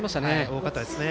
多かったですね。